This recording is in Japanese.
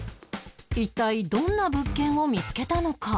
一体どんな物件を見つけたのか？